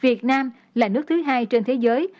việt nam là nước thứ hai trên thế giới